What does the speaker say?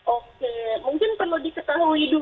oke mungkin perlu diketahui